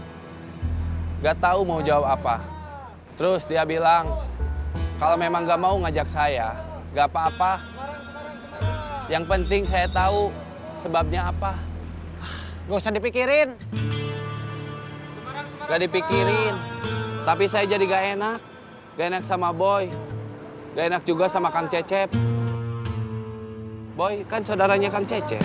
hai enggak tahu mau jawab apa terus dia bilang kalau memang enggak mau ngajak saya enggak apa apa yang penting saya tahu sebabnya apa nggak dipikirin enggak dipikirin tapi saya jadi enak enak sama boy enak juga sama kang cecep boy kan saudaranya kang cecep